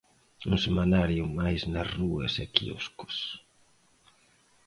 Un semanario máis nas rúas e quioscos.